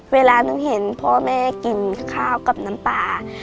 เวลาหนูเห็นพ่อแม่กินข้าวกับน้ำปลา